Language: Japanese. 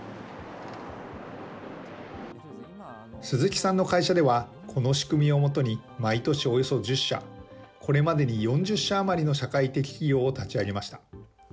鈴木さんの会社では、この仕組みをもとに、毎年およそ１０社、これまでに４０社余りの社会的起業を立ち上げました。